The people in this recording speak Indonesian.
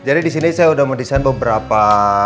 jadi disini saya udah mendesain beberapa